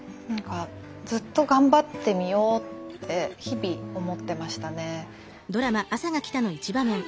ずっと頑張ってみようって日々思ってましたね。